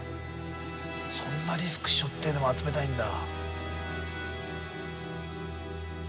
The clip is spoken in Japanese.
そんなリスクしょってでも集めたいんだ。